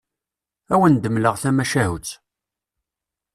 Ad awen-d-mleɣ tamacahut.